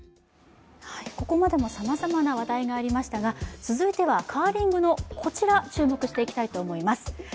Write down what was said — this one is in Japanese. ここまでもさまざまな話題がありましたが、続いてはカーリングのこちら、注目していきたいと思います。